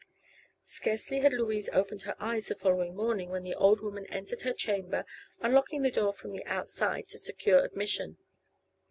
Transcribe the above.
Scarcely had Louise opened her eyes the following morning when the old woman entered her chamber, unlocking the door from the outside to secure admission.